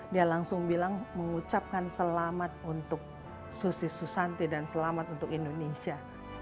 dia langsung bilang mengucapkan selamat untuk susi susanti dan selamat untuk indonesia